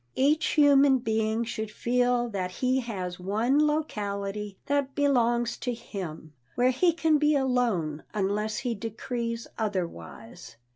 Each human being should feel that he has one locality that belongs to him, where he can be alone unless he decrees otherwise.